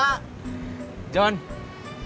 rishi tau bulan puasa